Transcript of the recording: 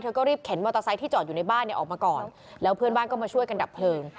ก็รีบเข็นมอเตอร์ไซค์ที่จอดอยู่ในบ้านเนี่ยออกมาก่อนแล้วเพื่อนบ้านก็มาช่วยกันดับเพลิง